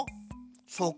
そうか。